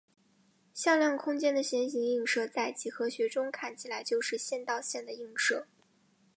向量空间的线性映射在几何学中看起来就是线到线的映射。